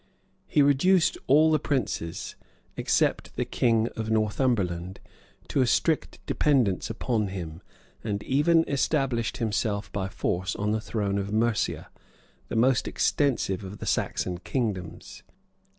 He reduced all the princes, except the king of Northumberland, to a strict dependence upon him; and even established himself by force on the throne of Mercia, the most extensive of the Saxon kingdoms.